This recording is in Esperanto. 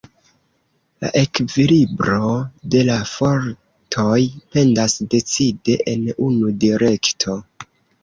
La ekvilibro de la fortoj pendas decide en unu direkto.